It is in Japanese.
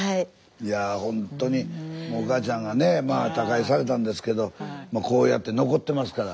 いやほんとにお母ちゃんがね他界されたんですけどこうやって残ってますから。